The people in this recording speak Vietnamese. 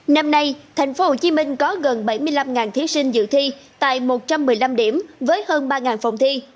năm nay tp hcm có gần bảy mươi năm thí sinh dự thi tại một trăm một mươi năm điểm với hơn ba phòng thi